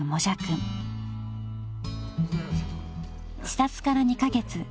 ［視察から２カ月］